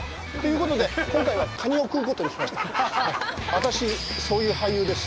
あたし、そういう俳優です。